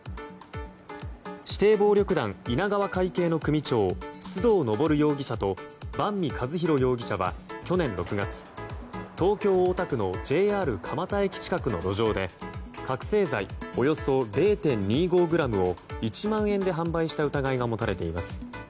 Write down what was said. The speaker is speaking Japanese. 指定暴力団稲川会系の組長須藤昇容疑者と萬實一浩容疑者は去年６月東京・大田区のＪＲ蒲田駅近くの路上で覚醒剤およそ０．２５ｇを１万円で販売した疑いが持たれています。